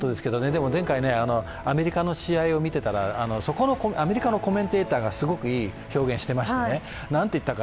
でも前回、アメリカの試合を見ていたらアメリカのコメンテーターがすごくいい表現をしていましたね。